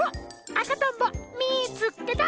あかとんぼみいつけた！